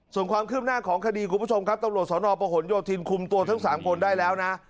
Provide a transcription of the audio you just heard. ส่วนความคืบหน้าของคดีคุณผู้ชมครับตำรวจสนประหลโยธินคุมตัวทั้ง๓คนได้แล้วนะ